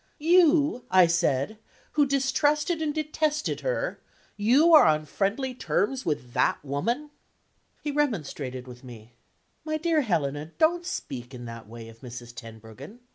"You," I said, "who distrusted and detested her you are on friendly terms with that woman?" He remonstrated with me. "My dear Helena, don't speak in that way of Mrs. Tenbruggen.